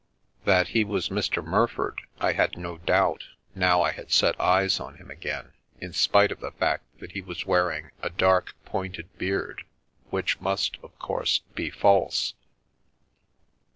That he was " Mr. Murford " I had no doubt, now I had set eyes on him again, in spite of the fact that he was wearing a dark, pointed beard, which must, of course, be false.